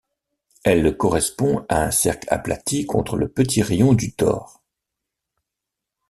Elle correspond à un cercle aplati contre le petit rayon du tore.